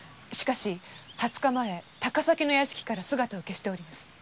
しかし二十日前高崎の屋敷から姿を消しております。